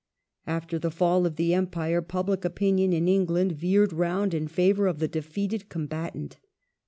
After the fall of the Empire public opinion in England veered round in favour of the defeated combatant.